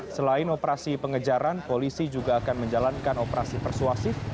selain operasi pengejaran polisi juga akan menjalankan operasi persuasif